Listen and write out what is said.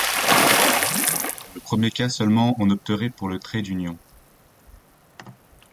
Dans le premier cas seulement on opterait pour le trait d’union.